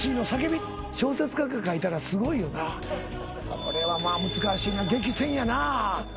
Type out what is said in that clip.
これは難しいな激戦やな。